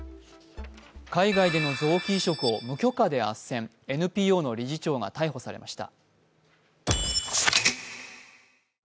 海外での臓器移植を無許可であっせん、ＮＰＯの理事長が逮捕されました。